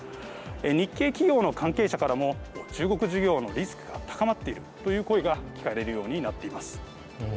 日系企業の関係者からも中国事業のリスクが高まっているという声が聞かれるようになっています。